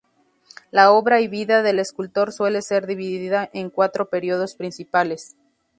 La obra y vida del escultor suele ser dividida en cuatro periodos principales.